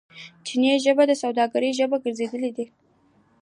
چیني ژبه د سوداګرۍ ژبه ګرځیدلې ده.